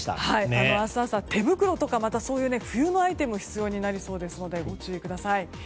明日朝、手袋とかそういう冬のアイテムが必要になりそうですのでご注意ください。